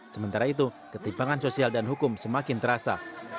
sementara itu ketimpangan sosial dan hukum semakin terasa